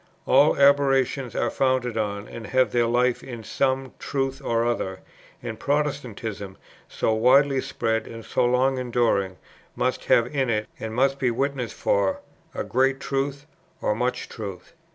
All aberrations are founded on, and have their life in, some truth or other and Protestantism, so widely spread and so long enduring, must have in it, and must be witness for, a great truth or much truth.